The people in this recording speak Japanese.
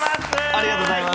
ありがとうございます。